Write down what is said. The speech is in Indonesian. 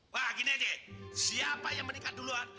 wah gini deh siapa yang menikah duluan